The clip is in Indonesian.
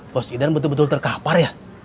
bos idan betul betul terkapar ya